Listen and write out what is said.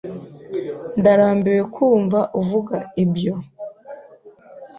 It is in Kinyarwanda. Ndarambiwe kumva uvuga ibyo.